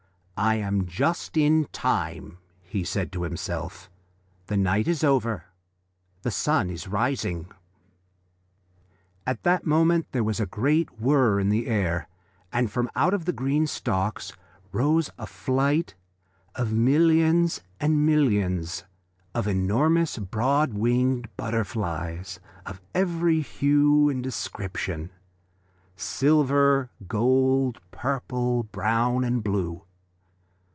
"I am just in time," he said to himself, "the night is over, the sun is rising." At that moment there was a great whirr in the air, and from out of the green stalks rose a flight of millions and millions of enormous broad winged butterflies of every hue and description silver, gold, purple, brown and blue.